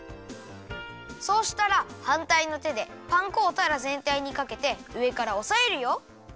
そうしたらはんたいのてでパン粉をたらぜんたいにかけてうえからおさえるよ。